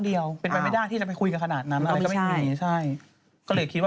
เนสไอดัลในแง่ไงคะ